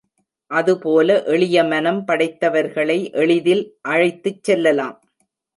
அதுபோல எளிய மனம் படைத்தவர்களை எளிதில் அழைத்துச் செல்லலாம்.